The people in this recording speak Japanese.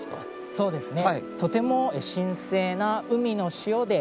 そうですね。